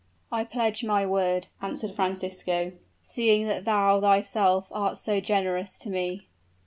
"I pledge my word," answered Francisco, "seeing that thou thyself art so generous to me."